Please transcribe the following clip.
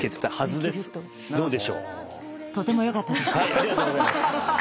ありがとうございます。